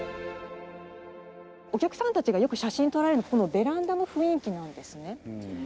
お客様たちがよく写真を撮られるのこのベランダの雰囲気なんですね。